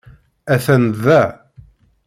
Atan da.